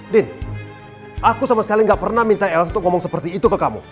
din aku sama sekali gak pernah minta elles untuk ngomong seperti itu ke kamu